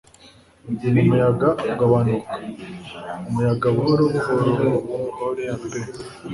Umuyaga ugabanuka umuyaga buhoro buhoro o lea pe